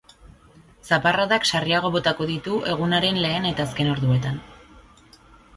Zaparradak sarriago botako ditu egunaren lehen eta azken orduetan.